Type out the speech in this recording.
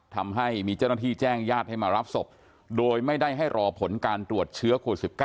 ทำให้มีเจ้าหน้าที่แจ้งญาติให้มารับศพโดยไม่ได้ให้รอผลการตรวจเชื้อโควิด๑๙